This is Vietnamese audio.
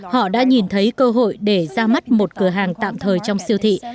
họ đã nhìn thấy cơ hội để ra mắt một cửa hàng tạm thời trong siêu thị